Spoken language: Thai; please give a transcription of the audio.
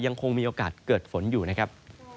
ยังคงมีโอกาสเกิดฝนอยู่นะครับ